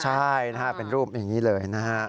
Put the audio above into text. ใช่นะฮะเป็นรูปอย่างนี้เลยนะฮะ